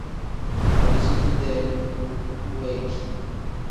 Arizotu-dee bu weegii.